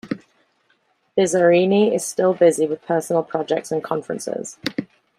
Bizzarrini is still busy with personal projects and conferences.